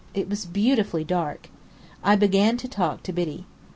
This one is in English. It was beautifully dark. I began to talk to Biddy.